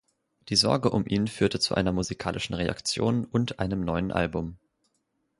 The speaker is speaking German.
Die Sorge um ihn führte zu einer musikalischen Reaktion und einem neuen Album.